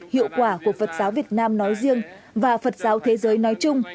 hiệu quả của phật giáo việt nam nói riêng và phật giáo thế giới nói chung